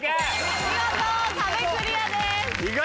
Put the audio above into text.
見事壁クリアです。